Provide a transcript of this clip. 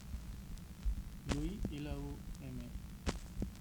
lui, il a eu aimé.